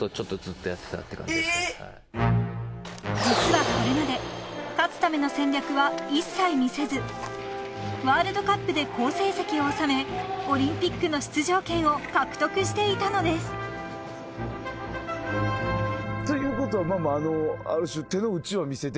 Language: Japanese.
［実はこれまで勝つための戦略は一切見せずワールドカップで好成績を収めオリンピックの出場権を獲得していたのです］ということはある種。